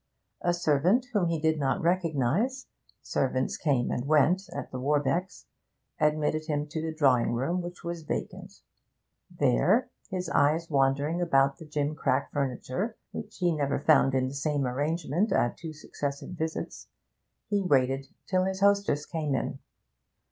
A servant whom he did not recognise servants came and went at the Warbecks' admitted him to the drawing room, which was vacant; there, his eyes wandering about the gimcrack furniture, which he never found in the same arrangement at two successive visits, he waited till his hostess came in.